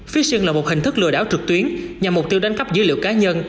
fiting là một hình thức lừa đảo trực tuyến nhằm mục tiêu đánh cắp dữ liệu cá nhân